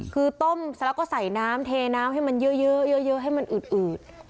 คือต้มแล้วก็ใส่น้ำเทน้ำให้มันเยอะให้มันอืด